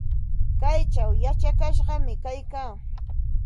Kaychaw yachakashqam kaykaa.